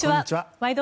「ワイド！